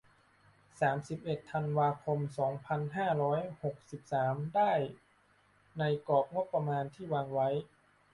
สามสิบเอ็ด ธันวาคม สองพันห้าร้อยหกสิบสาม ได้ ในกรอบงบประมาณที่วางไว้